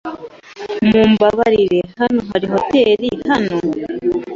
Mumbabarire, hano hari hoteri hano?